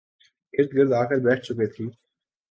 ارد گرد آ کر بیٹھ چکے تھی